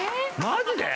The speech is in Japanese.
マジで？